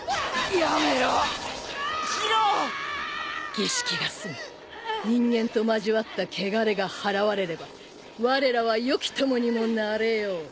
儀式が済み人間と交わった穢れが払われればわれらは良き友にもなれよう。